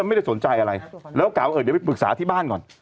ไม่ได้สนใจอะไรแล้วกล่าเออเดี๋ยวไปปรึกษาที่บ้านก่อน